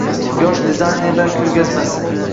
Yosh dizaynerlar ko‘rgazmasi